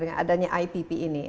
dengan adanya ipp ini